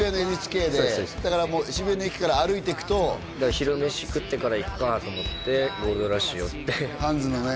そうですそうですだから渋谷の駅から歩いていくとだから昼飯食ってから行くかと思ってゴールドラッシュ寄ってハンズのね